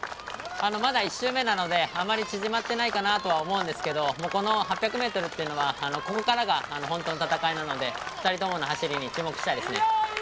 まだ１周目なのであまり縮まってないかなとは思うんですけどこの８００ｍっていうのはここからがホントの戦いなので２人ともの走りに注目したいですねいいよいいよ